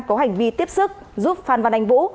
có hành vi tiếp sức giúp phan văn anh vũ